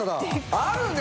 あるね！